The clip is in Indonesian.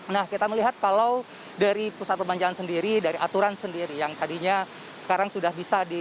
nah kita melihat kalau dari pusat perbelanjaan sendiri dari aturan sendiri yang tadinya sekarang sudah bisa di